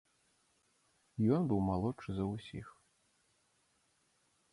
Ён быў малодшы за ўсіх.